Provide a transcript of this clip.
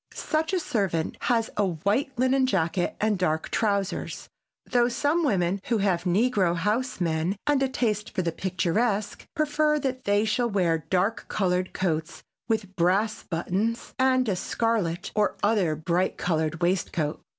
Such a servant has a white linen jacket and dark trousers, though some women who have negro house men and a taste for the picturesque prefer that they shall wear dark colored coats with brass buttons and a scarlet or other bright colored waistcoat.